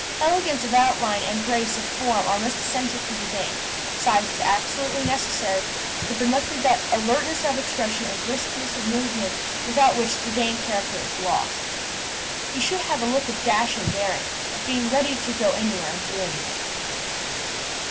Elegance of outline and grace of form are most essential to a Dane; size is absolutely necessary; but there must be that alertness of expression and briskness of movement without which the Dane character is lost. He should have a look of dash and daring, of being ready to go anywhere and do anything.